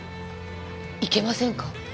いけませんか？